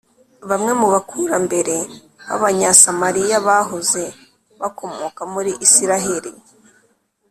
Bamwe mu bakurambere b’Abanyasamariya bahoze bakomoka muri Isiraheli